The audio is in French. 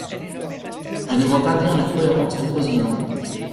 Je ne vois pas bien la cohérence du raisonnement.